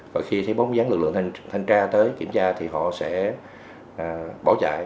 và khi thấy bóng dáng lực lượng thanh tra tới kiểm tra thì họ sẽ bỏ chạy